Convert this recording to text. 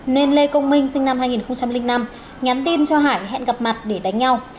nên lê công minh sinh năm hai nghìn năm nhắn tin cho hải hẹn gặp mặt để đánh nhau